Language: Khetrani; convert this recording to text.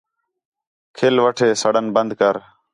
کھلوتے سڑݨ بند کر